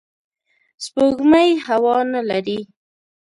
سپوږمۍ هوا نه لري